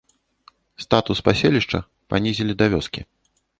Статус паселішча панізілі да вёскі.